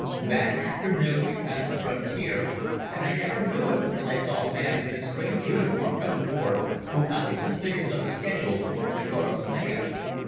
That afternoon we passed the frontier and I never knew it till I saw a man in a strange uniform come aboard, who copied some figures on a schedule, and brought us a mail.